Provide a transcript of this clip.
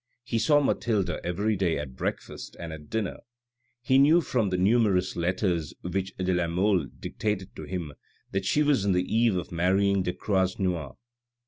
He saw Mathilde every day at breakfast and at dinner. He knew from the numerous letters which de la Mole dictated to him that she was on the eve of marrying de Croisenois.